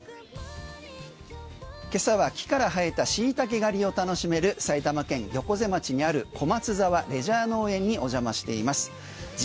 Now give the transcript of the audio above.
今朝は、木から生えたシイタケ狩りを楽しめる埼玉県横瀬町にある小松沢レジャー農園にお邪魔しています。